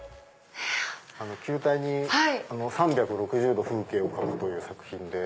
球体に３６０度風景を描くという作品で。